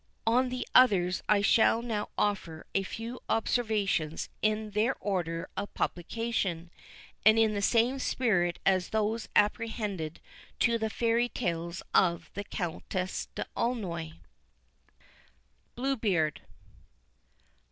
On the others I shall now offer a few observations in their order of publication, and in the same spirit as those appended to the Fairy Tales of the Countess d'Aulnoy. BLUE BEARD.